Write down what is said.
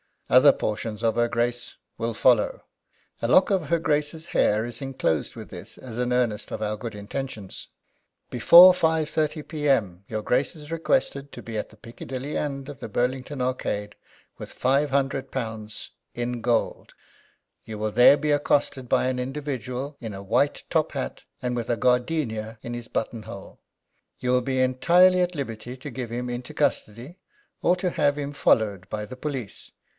Other portions of her Grace will follow. A lock of her Grace's hair is enclosed with this as an earnest of our good intentions. "Before 5.30 p.m. your Grace is requested to be at the Piccadilly end of the Burlington Arcade with five hundred pounds (£500) in gold. You will there be accosted by an individual in a white top hat, and with a gardenia in his button hole. You will be entirely at liberty to give him into custody, or to have him followed by the police.